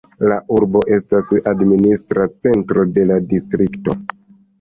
La urbo estas la administra centro de la distrikto.